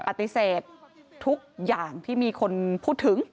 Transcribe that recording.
ปฏิเสธทุกอย่างที่มีคนพูดถึง